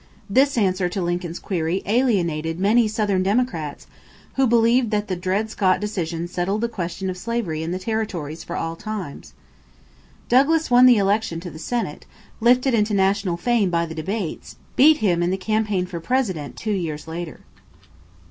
This answer to Lincoln's query alienated many Southern Democrats who believed that the Dred Scott decision settled the question of slavery in the territories for all time. Douglas won the election to the Senate; but Lincoln, lifted into national fame by the debates, beat him in the campaign for President two years later.